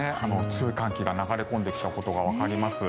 強い寒気が流れてきたことがわかります。